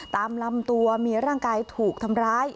ตามลำตัวมีร่างกายถูกทำร้าย